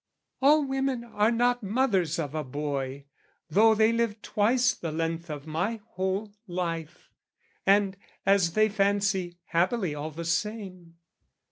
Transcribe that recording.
All women are not mothers of a boy, Though they live twice the length of my whole life, And, as they fancy, happily all the same.